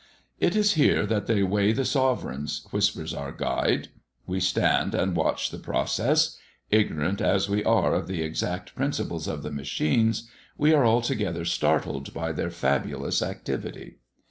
"It is here that they weigh the sovereigns," whispers our guide. We stand and watch the process. Ignorant as we are of the exact principles of the machines, we are altogether startled by their fabulous activity.